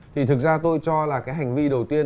thì thực ra tôi cho là cái hành vi đầu tiên